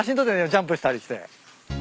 ジャンプしたりして。